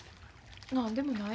何でもない。